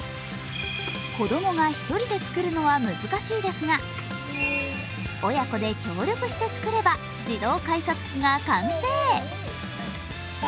子供が１人で作るのは難しいですが親子で協力して作れば自動改札機が完成。